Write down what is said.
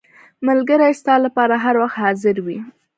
• ملګری ستا لپاره هر وخت حاضر وي.